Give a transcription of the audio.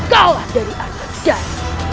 kau lah dari agadar